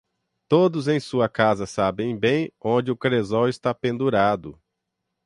Todos em sua casa sabem onde o cresol está pendurado.